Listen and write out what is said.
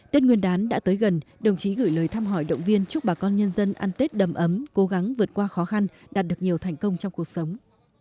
tết nguyên đán đã tới gần đồng chí gửi lời thăm hỏi động viên chúc bà con nhân dân ăn tết đầm ấm cố gắng vượt qua khó khăn đạt được nhiều thành công trong cuộc sống